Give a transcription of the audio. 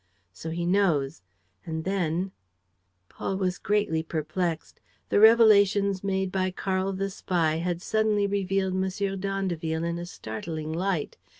So he knows; and then ...?" Paul was greatly perplexed. The revelations made by Karl the spy had suddenly revealed M. d'Andeville in a startling light.